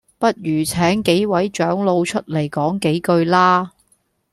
不如請幾位長老出嚟講幾句啦